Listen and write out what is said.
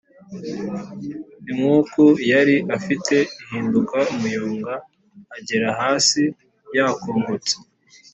inkuku yali afite ihinduka umuyonga agera hasi yakongotse